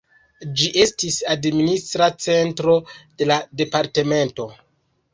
Ĝi estis administra centro de la departemento.